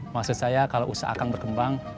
maksud saya kalau usaha akang berkembang